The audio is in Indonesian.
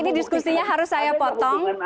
ini diskusinya harus saya potong